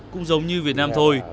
cũng giống như việt nam thôi